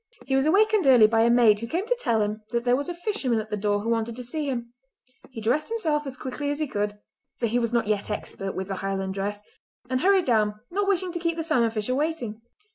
He was awakened early by a maid who came to tell him that there was a fisherman at the door who wanted to see him. He dressed himself as quickly as he could—for he was not yet expert with the Highland dress—and hurried down, not wishing to keep the salmon fisher waiting.